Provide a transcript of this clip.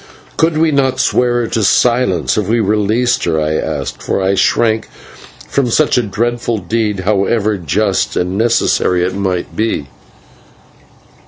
"Could we not swear her to silence if we released her?" I asked, for I shrank from such a dreadful deed, however just and necessary it might be.